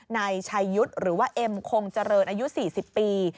นายชายุทธ์หรือว่าเอ็มคงเจริญอายุ๔๐ปี